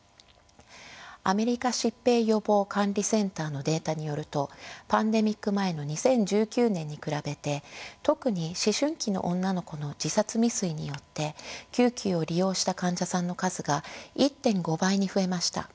アメリカ疾病予防管理センターのデータによるとパンデミック前の２０１９年に比べて特に思春期の女の子の自殺未遂によって救急を利用した患者さんの数が１．５倍に増えました。